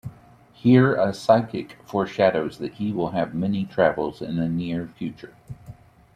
Here a psychic foreshadows that he will have many travels in the near future.